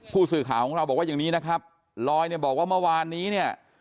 ผู้สื่อข่าวของเราบอกว่าอย่างนี้นะครับลอยเนี่ยบอกว่าเมื่อวานนี้เนี่ย